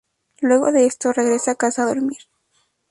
Luego de esto, regresa a casa a dormir.